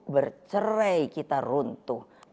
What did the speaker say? bercerai kita runtuh